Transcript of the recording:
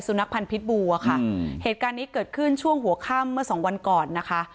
สุนัขพันธ์พิษบูวะครับเหตุการณ์ยี่เกิดขึ้นช่วงหัวข้ามมาสองวันก่อนนะคะ